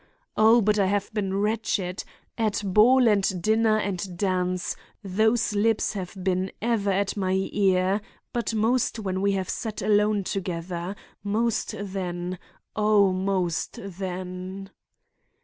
Oh, but I have been wretched! At ball and dinner and dance those lips have been ever at my ear, but most when we have sat alone together; most then; Oh, most then!